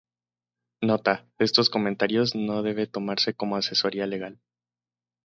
Nota.- Estos comentarios no debe tomarse como asesoría legal.